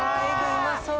うまそう！